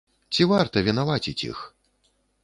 Ці варта вінаваціць іх?